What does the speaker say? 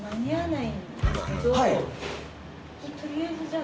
とりあえずじゃあ。